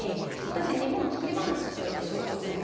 私「日本作り話」っていうのがすごい得意で。